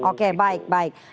oke baik baik